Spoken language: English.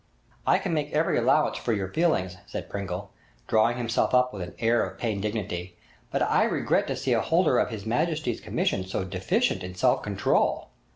'I can make every allowance for your feelings,' said Pringle, drawing himself up with an air of pained dignity, 'but I regret to see a holder of His Majesty's commission so deficient in self control.'